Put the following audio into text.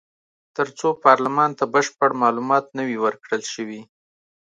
تر څو پارلمان ته بشپړ معلومات نه وي ورکړل شوي.